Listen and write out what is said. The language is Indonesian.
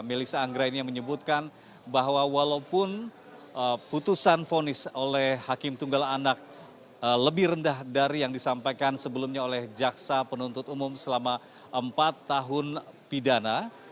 melissa anggra ini menyebutkan bahwa walaupun putusan vonis oleh hakim tunggal anak lebih rendah dari yang disampaikan sebelumnya oleh jaksa penuntut umum selama empat tahun pidana